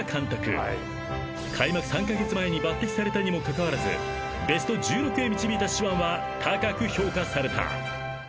［開幕３カ月前に抜てきされたにもかかわらずベスト１６へ導いた手腕は高く評価された］